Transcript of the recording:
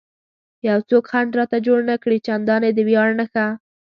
چې څوک خنډ راته جوړ نه کړي، چندانې د ویاړ نښه.